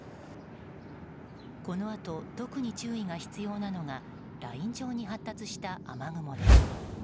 このあと、特に注意が必要なのがライン状に発達した雨雲です。